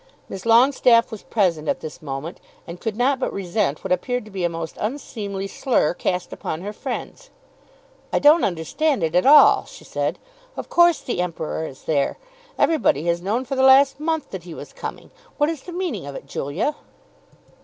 Miss Longestaffe was present at this moment, and could not but resent what appeared to be a most unseemly slur cast upon her friends. "I don't understand it at all," she said. "Of course the Emperor is there. Everybody has known for the last month that he was coming. What is the meaning of it, Julia?"